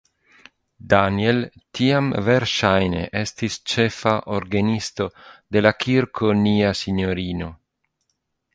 Daniel tiam verŝajne estis ĉefa orgenisto de la Kirko Nia Sinjorino.